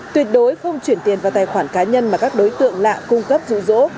tuyệt đối không chuyển tiền vào tài khoản cá nhân mà các đối tượng lạ cung cấp dụ dỗ